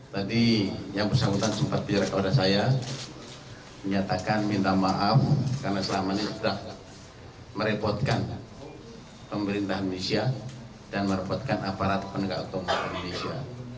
tadi yang bersangkutan sempat bicara kepada saya menyatakan minta maaf karena selama ini sudah merepotkan pemerintah indonesia dan merepotkan aparat penegak otomo indonesia